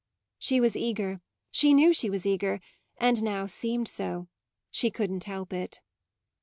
She was eager, she knew she was eager and now seemed so; she couldn't help it.